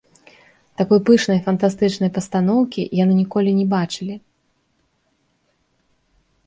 Такой пышнай фантастычнай пастаноўкі яны ніколі не бачылі.